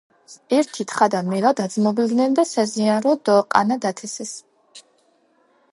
ერთი თხა და მელა დაძმობილდნენ და საზიაროდ ყანა დათესეს